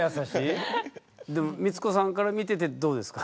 でも光子さんから見ててどうですか？